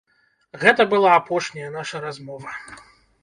Гэта была апошняя наша размова.